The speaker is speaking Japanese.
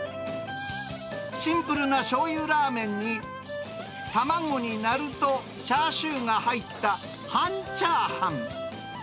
シンプルなしょうゆラーメンに、卵にナルト、チャーシューが入った半チャーハン。